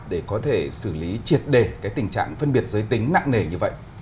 để có thể xử lý triệt đề tình trạng phân biệt giới tính nặng nề như vậy